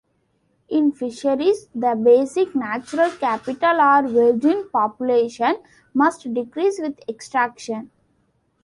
In fisheries, the basic natural capital or virgin population, must decrease with extraction.